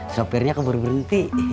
sopirnya keburu berhenti